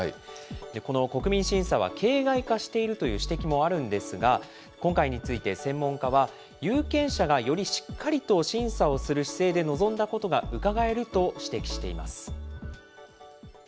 この国民審査は形骸化しているという指摘もあるんですが、今回について専門家は、有権者がよりしっかりと審査をする姿勢で臨んだことがうかがえると指摘しています。